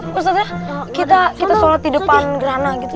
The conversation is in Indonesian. terus ustadzah kita sholat di depan gerhana gitu